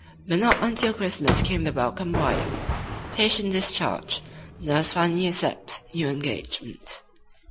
But not until Christmas came the welcome "wire:" Patient discharged. Nurse finally accepts new engagement.